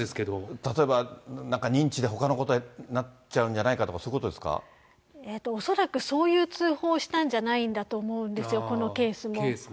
例えば、認知でほかのことをやっちゃうんじゃないかとか、そういうことで恐らく、そういう通報したんじゃないんだと思うんですよ、このケースも。